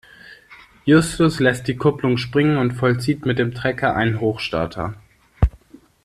Justus lässt die Kupplung springen und vollzieht mit dem Trecker einen Hochstarter.